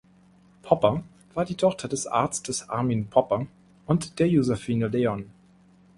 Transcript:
Popper war die Tochter des Arztes Armin Popper und der Josefine Leon.